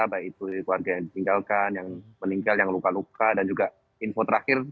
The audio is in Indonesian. baik itu keluarga yang ditinggalkan yang meninggal yang luka luka dan juga info terakhir